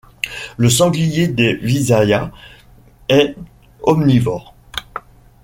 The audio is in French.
Le sanglier des Visayas est omnivore.